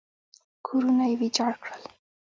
کورونه یې ویجاړ کړل.